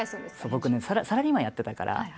僕ねサラリーマンやってたから。